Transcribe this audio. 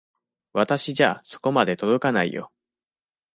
私じゃそこまで届かないよ。